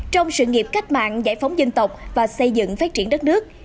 trong sự nghiệp cách mạng giải phóng dân tộc và xây dựng phát triển đất nước